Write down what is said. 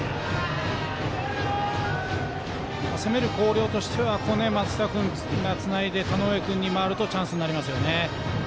攻める広陵としては松田君がつないで田上君に回るとチャンスになりますよね。